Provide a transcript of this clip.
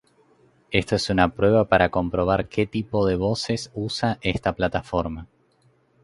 esto es una prueba para comprobar que tipo de voces usa esta plataforma